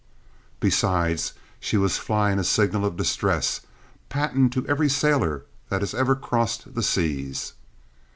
Besides, she was flying a signal of distress, patent to every sailor that has ever crossed the seas.